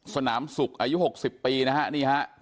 สนามศุกร์อายุ๖๐ปีนะครับ